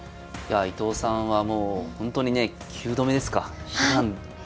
いやあ伊藤さんはもうほんとにね９度目ですか。